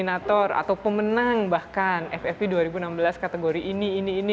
koordinator atau pemenang bahkan ffp dua ribu enam belas kategori ini ini ini